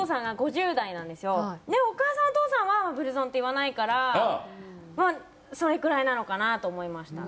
お母さんお父さんはブルゾンって言わないからそれくらいなのかなと思いました。